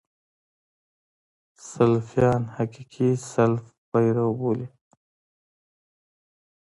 سلفیان حقیقي سلف پیرو بولي.